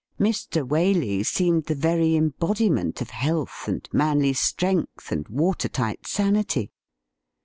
Mr. Waley seemed the very embodiment of health and manly strength and water tight sanity.